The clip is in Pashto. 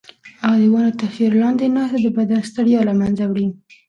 د ونو تر سیوري لاندې ناسته د بدن ستړیا له منځه وړي.